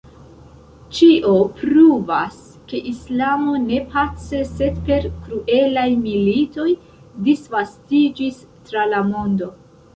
Ĉio pruvas, ke islamo ne pace sed per kruelaj militoj disvastiĝis tra la mondo.